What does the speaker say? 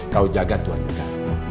kau jaga tuan uda